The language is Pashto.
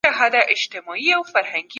پروژې د دولت له خوا عملي کېږي.